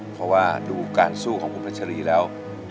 เพราะว่าดูการสู้ของคุณพัชรีแล้ว